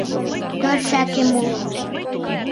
— Торчакем уло.